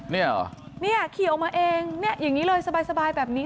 เนี่ยเหรอเนี่ยขี่ออกมาเองเนี่ยอย่างนี้เลยสบายแบบนี้